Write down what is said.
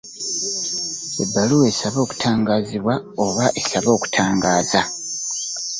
Ebbaluwa esaba okutangaazibwa oba esaba okutangaaza .